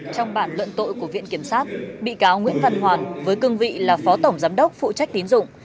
trong bản luận tội của viện kiểm sát bị cáo nguyễn văn hoàn với cương vị là phó tổng giám đốc phụ trách tín dụng